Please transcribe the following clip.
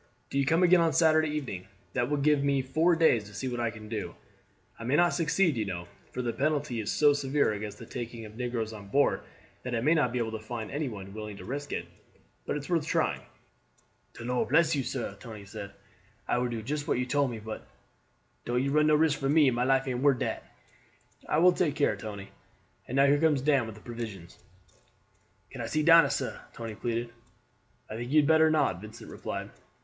Do you come again on Saturday evening that will give me four days to see what I can do. I may not succeed, you know; for the penalty is so severe against taking negroes on board that I may not be able to find any one willing to risk it. But it is worth trying." "De Lord bless you, sah!" Tony said. "I will do juss what you tole me; but don't you run no risks for me, my life ain't worth dat." "I will take care, Tony. And now here comes Dan with the provisions." "Can I see Dinah, sah?" Tony pleaded. "I think you had better not," Vincent replied.